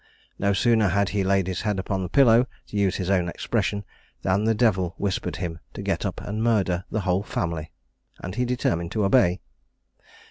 No sooner had he laid his head upon the pillow, to use his own expression, than the devil whispered him to get up and murder the whole family, and he determined to obey.